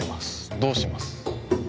どうします？